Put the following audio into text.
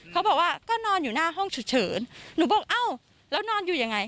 เขาบอกว่าก็นอนอยู่หน้าห้องฉุกเฉินหนูบอกเอ้าแล้วนอนอยู่ยังไง